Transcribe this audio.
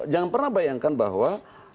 jangan pernah bayangkan bahwa